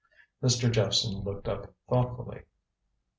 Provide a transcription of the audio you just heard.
Mr. Jephson looked up thoughtfully.